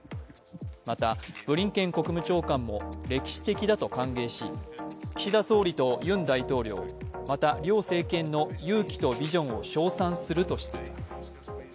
また、ブリンケン国務長官も歴史的だと歓迎し岸田総理とユン大統領、また両政権の勇気とビジョンを称賛するとしています。